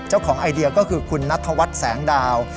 เจ้าของไอเดียก็คือคุณนัทวัดแสงดาว